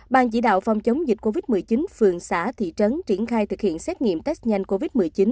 ban chỉ đạo phòng chống dịch covid một mươi chín phường xã thị trấn triển khai thực hiện xét nghiệm test nhanh covid một mươi chín